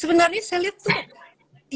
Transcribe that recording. sebenarnya saya lihat itu iya dan